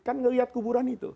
kan melihat kuburan itu